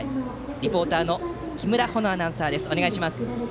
リポーターの木村穂乃アナウンサーです。